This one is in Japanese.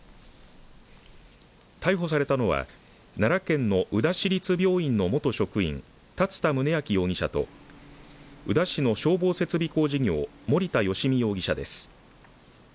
逮捕されたのは奈良県の宇陀市立病院の元職員龍田宗晃容疑者と宇陀市の消防設備工事業森田芳美容疑者です。